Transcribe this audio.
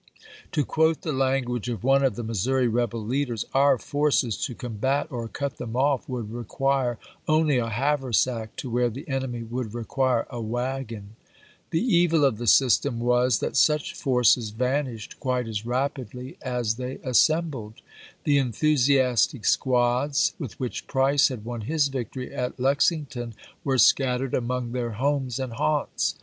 To quote the language of one of the Missouri rebel leaders :" Our forces, to combat to^Bol S, or cut them off, would require only a haversack to i86i"^w*r. where the enemy would require a wagon." The pp. 69i, 692. Price, Proclaiiia tiou, Xov. 26, 88 ABEAHAM LINCOLN CHAP. V. evil of the system was, that such forces vanished quite as rapidly as they assembled. The enthusi astic squads with which Price had won his victory at Lexington were scattered among their homes and haunts.